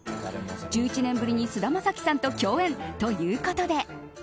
１１年ぶりに、菅田将暉さんと共演ということで。